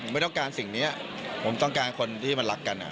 ไม่ต้องการสิ่งนี้ผมต้องการคนที่มันรักกัน